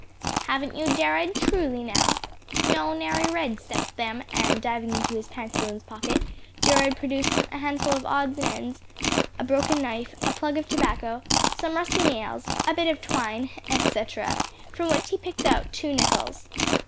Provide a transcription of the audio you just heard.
"Haven't you, Jared? truly, now?" "No, nary red, 'cept them," and diving into his pantaloons' pocket, Jared produced a handful of odds and ends a broken knife, a plug of tobacco, some rusty nails, a bit of twine, etc., from which he picked out two nickels.